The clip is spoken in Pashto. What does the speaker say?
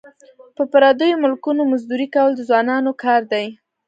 په پردیو ملکونو مزدوري کول د ځوانانو کار دی.